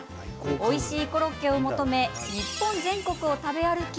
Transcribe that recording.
おいしいコロッケを求め日本全国を食べ歩き